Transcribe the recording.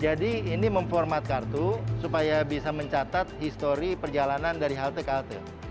jadi ini memformat kartu supaya bisa mencatat histori perjalanan dari halte ke halte